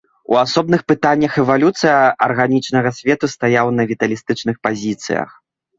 У асобных пытаннях эвалюцыі арганічнага свету стаяў на віталістычных пазіцыях.